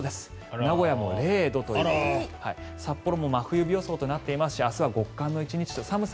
名古屋も０度ということで札幌も真冬日予想となっていますし明日は極寒の寒さ。